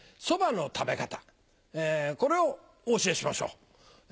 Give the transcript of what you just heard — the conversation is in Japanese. そばの食べ方これをお教えしましょう。